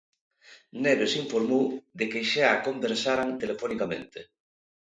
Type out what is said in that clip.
Neves informou de que xa conversaran telefonicamente.